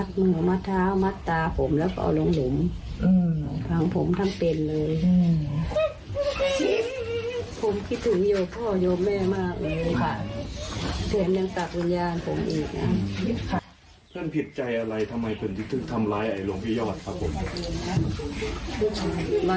เพื่อนผิดใจอะไรทำไมเป็นคนที่ถึงทำร้ายไอลงพระยอดครับผม